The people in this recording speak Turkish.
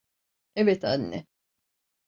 Evet, anne.